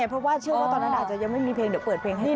เพราะว่าเชื่อว่าตอนนั้นอาจจะยังไม่มีเพลงเดี๋ยวเปิดเพลงให้